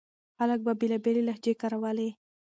خلک به بېلابېلې لهجې کارولې.